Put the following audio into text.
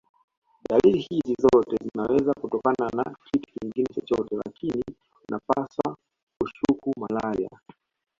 Dalili hizi zote zinaweza kutokana na kitu kingine chochote lakini unapaswa kushuku malaria